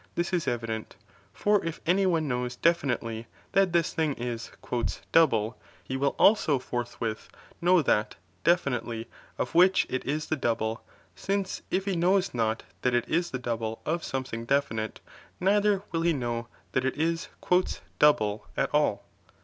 . this is evident ; for if any one knows definitely, that this thing is " double," he will also forthwith know that, definitely, of which it is the doable, since if he knows not that it is the double, of something definite, neither will he know that it is "double," at all.